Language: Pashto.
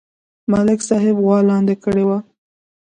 ملک صاحب غوا لاندې کړې وه